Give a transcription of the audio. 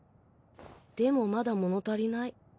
でもまだもの足りない。